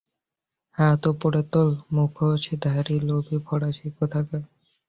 হাত উপরে তোল, মুখোশধারী লোভী ফরাসি কোথাকার!